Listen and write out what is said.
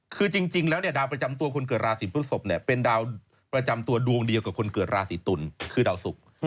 คือจริงแล้วดาวประจำตัวคนเกิดราศีพฤศพเป็นดาวประจำตัวดวงเดียวกับคนเกิดราศีตุลคือดาวสุก